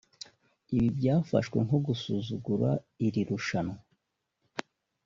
ibi byafashwe nko gusuzugura iri rushanwa